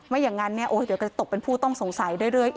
ไม่อย่างงั้นเนี่ยเดี๋ยวก็จะตกเป็นผู้ต้องสงสัยได้ด้วย